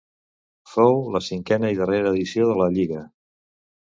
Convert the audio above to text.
Fou la cinquena i darrera edició de la lliga.